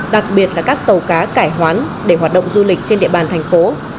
đặc biệt là các tàu cá cải hoán để hoạt động du lịch trên địa bàn thành phố